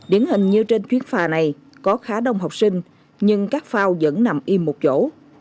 điển hình như trên chuyến phà này có khá đông học sinh nhưng các phao vẫn nằm im một chỗ